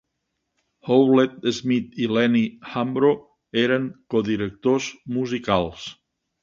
Howlett Smith i Lenny Hambro eren codirectors musicals.